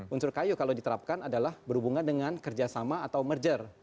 unsur kayu kalau diterapkan adalah berhubungan dengan kerjasama atau merger